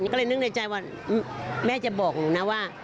ก็เลยนึกในใจว่าแม่จะบอกหนูนะว่า